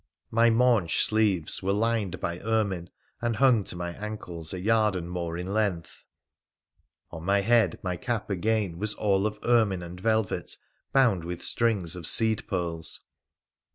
My maunch sleeves were lined by ermine, and hung to my ankles a yard and more in length. On my head, my cap, again, was all of ermine and velvet, bound with strings of seed pearls.